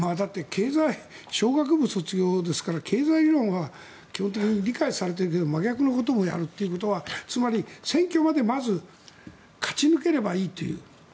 商学部卒業ですから経済理論は基本的に理解されているけど真逆のこともやるということはつまり選挙までまず勝ち抜ければいいという。